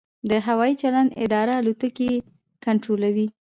د هوايي چلند اداره الوتکې کنټرولوي؟